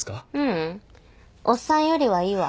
ううん。おっさんよりはいいわ。